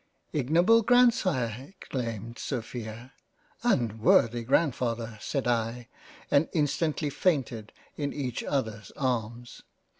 " Ignoble Grand sire !" exclaimed Sophia. " Unworthy Grand father !" said I, and instantly fainted in each other's arms.